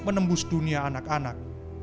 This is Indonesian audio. dan membus dunia anak anak